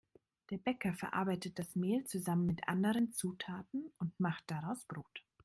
Der Bäcker verarbeitet das Mehl zusammen mit anderen Zutaten und macht daraus Brot.